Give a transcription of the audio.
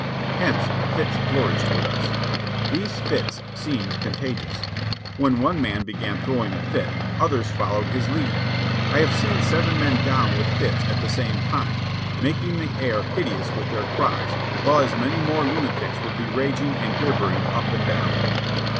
Hence, fits flourished with us. These fits seemed contagious. When one man began throwing a fit, others followed his lead. I have seen seven men down with fits at the same time, making the air hideous with their cries, while as many more lunatics would be raging and gibbering up and down.